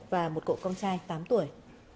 và một cô con trai tám tuổi